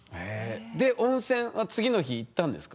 で温泉は次の日行ったんですか？